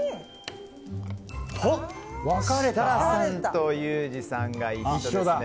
設楽さんとユージさんが一緒ですね。